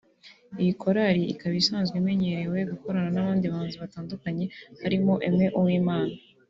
Iyi korali ikaba isanzwe imenyerewe gukorana n’abandi bahanzi batandukanye harimo Aime Uwimana